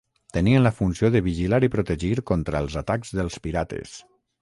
Tenien la funció de vigilar i protegir contra els atacs dels pirates.